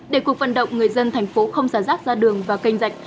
để cuộc vận động người dân thành phố không xả rác ra đường và kênh rạch